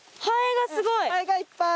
ハエがいっぱい。